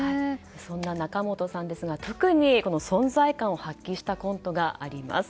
そんな仲本さんですが特に、存在感を発揮したコントがあります。